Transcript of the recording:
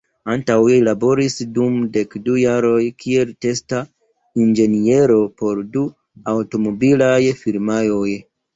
Antaŭe li laboris dum dek du jaroj kiel testa inĝeniero por du aŭtomobilaj firmaoj.